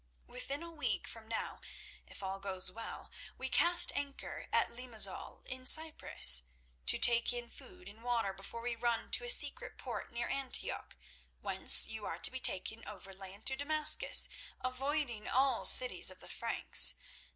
"Within a week from now, if all goes well, we cast anchor at Limazol in Cyprus, to take in food and water before we run to a secret port near Antioch, whence you are to be taken overland to Damascus, avoiding all cities of the Franks.